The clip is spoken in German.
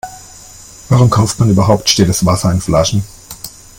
Warum kauft man überhaupt stilles Wasser in Flaschen?